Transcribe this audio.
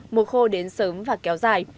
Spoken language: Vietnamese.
mùa khô đến sớm và kéo dài